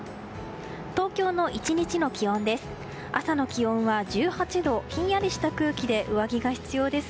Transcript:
東京の１日の気温です。